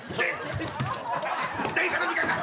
電車の時間が。